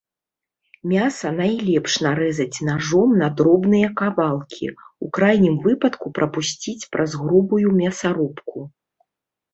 Мяса найлепш нарэзаць нажом на дробныя кавалкі, у крайнім выпадку прапусціць праз грубую мясарубку.